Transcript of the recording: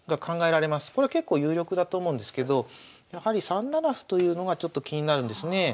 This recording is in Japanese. これは結構有力だと思うんですけど３七歩というのがちょっと気になるんですね。